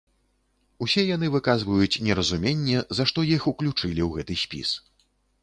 Усе яны выказваюць неразуменне, за што іх уключылі ў гэты спіс.